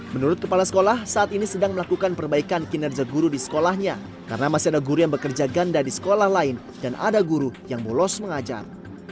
menurut kepala sekolah saat ini sedang melakukan perbaikan kinerja guru di sekolahnya karena masih ada guru yang bekerja ganda di sekolah lain dan ada guru yang bolos mengajar